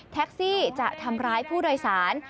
แท็กซี่จะทำร้ายผู้โดยสาร